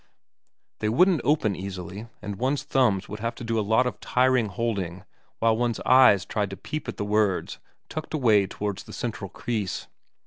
They wouldn't open easily, and one's thumbs would have to do a lot of tiring holding while one's eyes tried to peep at the words tucked away towards the central crease.